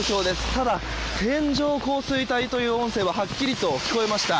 ただ、線状降水帯という音声ははっきりと聞こえました。